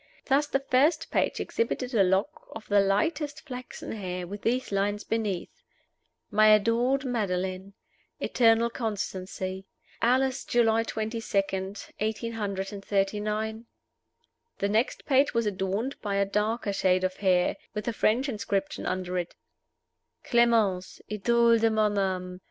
Thus the first page exhibited a lock of the lightest flaxen hair, with these lines beneath: "My adored Madeline. Eternal constancy. Alas, July 22, 1839!" The next page was adorned by a darker shade of hair, with a French inscription under it: "Clemence. Idole de mon âme.